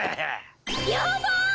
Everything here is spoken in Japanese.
やばーい！